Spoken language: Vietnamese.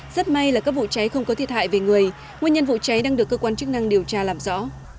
rất may là các vụ cháy không có thiệt hại về người nguyên nhân vụ cháy đang được cơ quan chức năng điều tra làm rõ